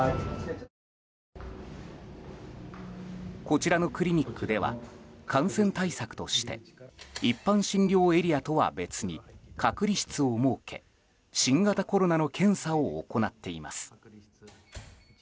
こちらのクリニックでは感染対策として一般診療エリアとは別に隔離室を設け新型コロナの検査を行っています。